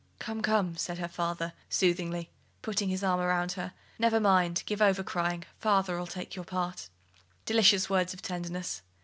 "Come, come," said her father, soothingly, putting his arm round her, "never mind; give over crying: father'll take your part." Delicious words of tenderness!